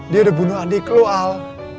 dia udah bunuh adik lo al